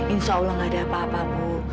insya allah gak ada apa apa bu